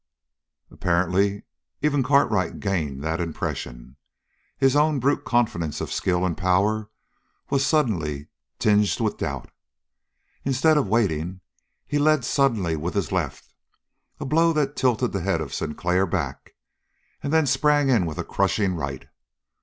Apparently even Cartwright gained that impression. His own brute confidence of skill and power was suddenly tinged with doubt. Instead of waiting he led suddenly with his left, a blow that tilted the head of Sinclair back, and then sprang in with a crushing right.